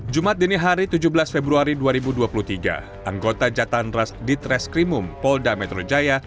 jumat dini hari tujuh belas februari dua ribu dua puluh tiga anggota jatan ras ditreskrimum polda metro jaya